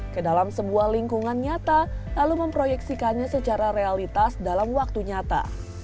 ke dalam sebuah lingkungan nyata lalu memproyeksikannya secara realitas dalam waktu nyata